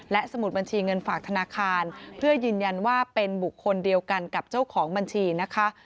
สมุดบัญชีเงินฝากธนาคารเพื่อยืนยันว่าเป็นบุคคลเดียวกันกับเจ้าของบัญชีนะคะ